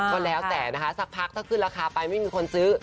ก็แล้วแต่นะคะสักพักถ้าขึ้นราคาไปไม่มีคนซื้อ